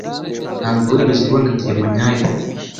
Ntabwo wigeze ubona diyama nyayo.